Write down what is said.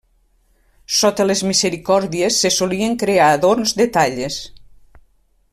Sota les misericòrdies se solien crear adorns de talles.